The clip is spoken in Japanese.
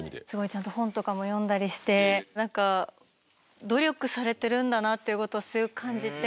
ちゃんと本とかも読んだりして何か努力されてるんだなっていうことを強く感じて。